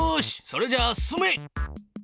それじゃあ進め！